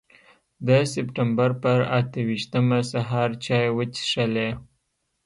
د سپټمبر پر اته ویشتمه سهار چای وڅښلې.